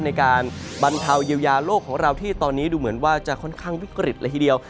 ในการบรรเทาเยียวยาโลกของเราที่ตอนนี้ดูเหมือนว่าจะค่อนข้างวิกฤตเลยทีเดียว